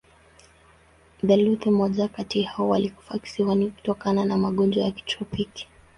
Theluji moja kati hao walikufa kisiwani kutokana na magonjwa ya kitropiki.